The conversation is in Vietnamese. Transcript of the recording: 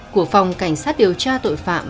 của phòng cảnh sát điều tra tội phạm